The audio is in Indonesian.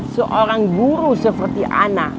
seorang guru seperti ana